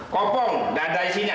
kokpong dada isinya